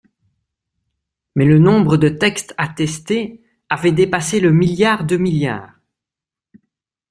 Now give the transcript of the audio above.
Mais le nombre de textes à tester avait dépassé le milliard de milliards